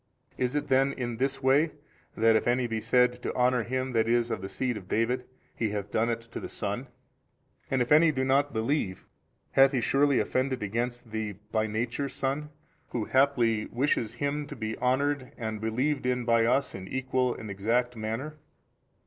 Is it then in this way that if any be said to honour him that is of the seed of David, he hath done it to the Son? and if any do not believe, hath he surely offended against the by Nature Son, Who haply wishes him too to be honoured and believed in by us in equal and exact manner?